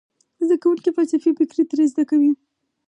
زده کوونکي فلسفي فکر ترې زده کوي.